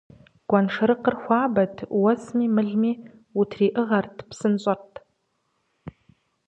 Гуэншэрыкъыр хуабэт, уэсми мылми утриӀыгъэрт, псынщӀэт.